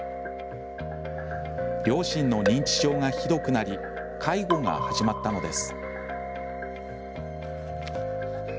両親の認知症がひどくなり介護が始まったのです。